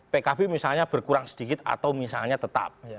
pkb misalnya berkurang sedikit atau misalnya tetap